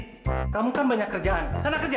kamu kan banyak kerjaan sana kerja